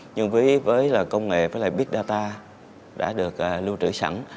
nhưng với công nghệ và big data đã được lưu trữ sẵn